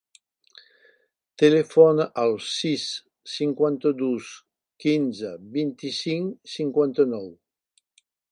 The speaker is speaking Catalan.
Telefona al sis, cinquanta-dos, quinze, vint-i-cinc, cinquanta-nou.